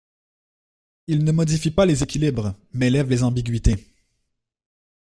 Il ne modifie pas les équilibres mais lève les ambiguïtés.